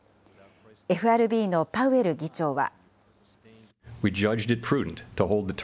ＦＲＢのパウエル議長は。